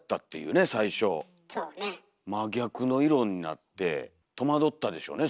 真逆の色になって戸惑ったでしょうね